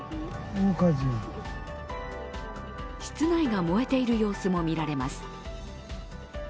室内が燃えている様子も見られます。